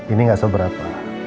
ini gak seberapa